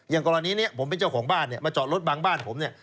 กรณีนี้ผมเป็นเจ้าของบ้านเนี่ยมาจอดรถบางบ้านผมเนี่ย